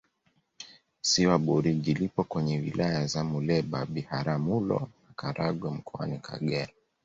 ziwa burigi lipo kwenye wilaya za muleba biharamulo na karagwe mkoani kagera